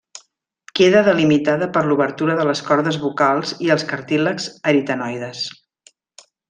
Queda delimitada per l'obertura de les cordes vocals i els cartílags aritenoides.